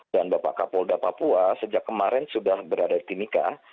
dan bapak kapolda papua sejak kemarin sudah berada di timika